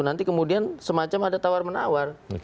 nanti kemudian semacam ada tawar menawar